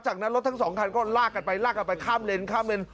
จากนั้นรถทั้งสองคันก็ลากกันไปลากกันไปข้ามเลนข้ามเลน